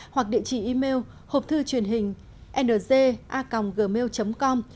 hoặc địa chỉ email hộp thư truyền hình ng gmail com